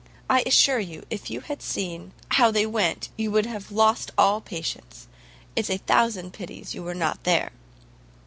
I assure you, if you had seen how they went, you would have lost all patience. It's a thousand pities you were not there."